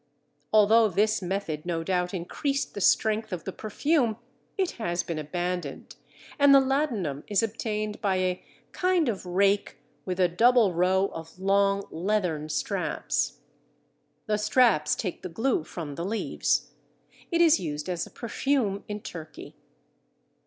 Although this method, no doubt, increased the strength of the perfume, it has been abandoned, and the ladanum is obtained by a "kind of rake with a double row of long leathern straps." The straps take the glue from the leaves. It is used as a perfume in Turkey.